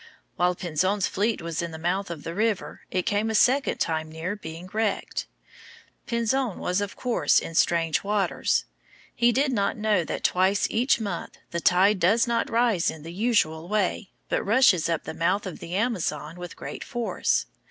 While Pinzon's fleet was in the mouth of the river, it came a second time near being wrecked. Pinzon was, of course, in strange waters. He did not know that twice each month the tide does not rise in the usual way, but rushes up the mouth of the Amazon with great force.